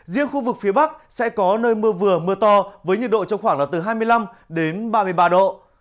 riêng khu vực phía bắc sẽ có nơi mưa vừa mưa to với nhiệt độ trong khoảng là từ hai mươi năm đến ba mươi ba độ